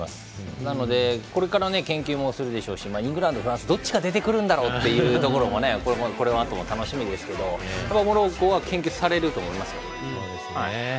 なので、これから研究もするでしょうしイングランド、フランスどっちが出てくるんだろうというのも楽しみですけどモロッコは研究されると思います。